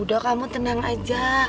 udah kamu tenang aja